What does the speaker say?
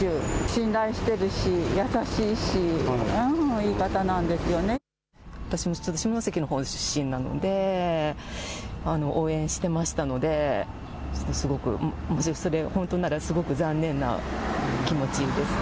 信頼してるし、優しいし、いい方私も下関のほう出身なので、応援してましたので、すごく、本当ならすごく残念な気持ちです。